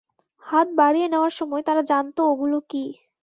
হাত বাড়িয়ে নেওয়ার সময় তারা জানত ওগুলো কী।